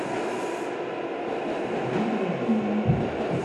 Cebḥen yiḍarren-nnem.